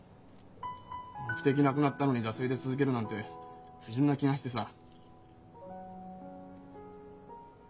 目的なくなったのに惰性で続けるなんて不純な気がしてさ。